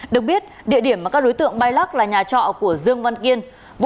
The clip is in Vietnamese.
được biết địa điểm mà các đối tượng bay lắc là nhà trọ của dương văn kiên